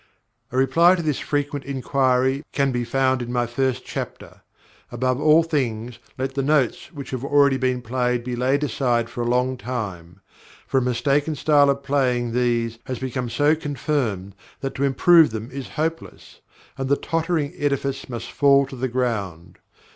A reply to this frequent inquiry can be found in my first chapter. Above all things, let the notes which have already been played be laid aside for a long time; for a mistaken style of playing these has become so confirmed that to improve them is hopeless, and the tottering edifice must fall to the ground.